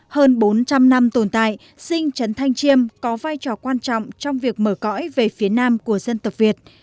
hơn bốn trăm linh năm tồn tại dinh chấn thành chiêm có vai trò quan trọng trong việc mở cõi về phía nam của dân tộc việt